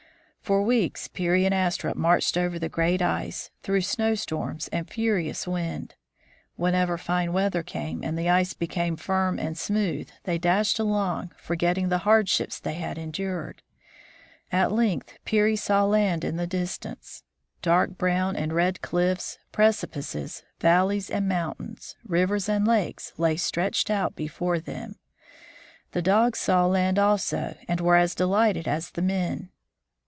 For weeks Peary and Astrup marched over the great ice, through snowstorms and furious wind. Whenever fine weather came and the ice became firm and smooth, they dashed along, forgetting the hardships they had endured. At length Peary saw land in the distance. Dark brown and red cliffs, precipices, valleys and moun tains, rivers and lakes, lay stretched out before them. The dogs saw land also, and were as delighted as the men.